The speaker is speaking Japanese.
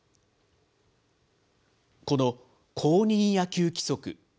この公認野球規則。